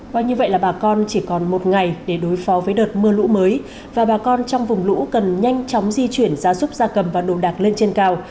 qua như vậy là bà con chỉ còn một ngày để đối phó với đợt mưa lũ mới và bà con trong vùng lũ cần nhanh chóng di chuyển ra giúp gia cầm và nổ đạc lên trên cao